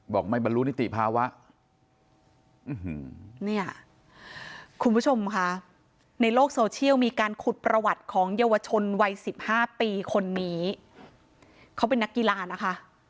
บอกไม่บรรลุนิติภาวะเนี่ยคุณผู้ชมค่ะในโลกโซเชียลมีการขุดประวัติของเยาวชนวัยสิบห้าปีคนนี้เขาเป็นนักกีฬานะคะ